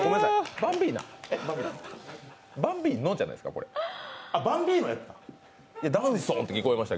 バンビーノやった？